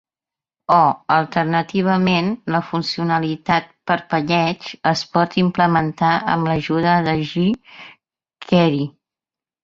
O, alternativament, la funcionalitat "parpelleig" es pot implementar amb l'ajuda de jQuery.